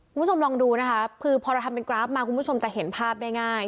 คุณผู้ชมลองดูนะคะคือพอเราทำเป็นกราฟมาคุณผู้ชมจะเห็นภาพได้ง่าย